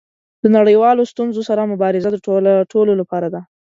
له نړیوالو ستونزو سره مبارزه د ټولو لپاره ده.